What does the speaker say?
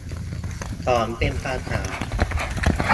สอนเป็นภาษา